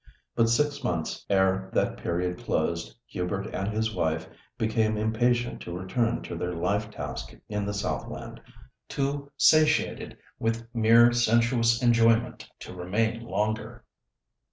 But six months ere that period closed Hubert and his wife became impatient to return to their life task in the south land, too satiated with mere sensuous enjoyment to remain longer.